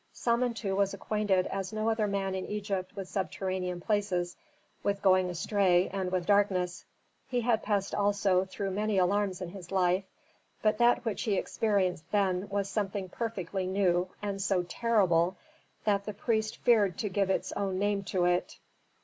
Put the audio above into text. Samentu was acquainted as no other man in Egypt with subterranean places, with going astray, and with darkness. He had passed also through many alarms in his life. But that which he experienced then was something perfectly new and so terrible that the priest feared to give its own name to it.